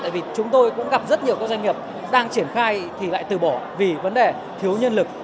tại vì chúng tôi cũng gặp rất nhiều các doanh nghiệp đang triển khai thì lại từ bỏ vì vấn đề thiếu nhân lực